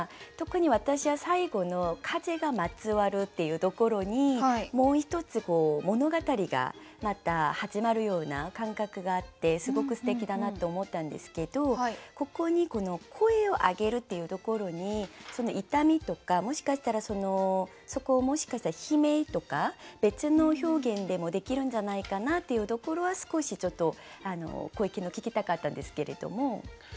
特に私は最後の「風がまつわる」っていうところにもう一つ物語がまた始まるような感覚があってすごくすてきだなと思ったんですけどここにこの「声を上げる」っていうところに痛みとかもしかしたらそこをもしかしたら悲鳴とか別の表現でもできるんじゃないかなっていうところは少しちょっとご意見を聞きたかったんですけれども。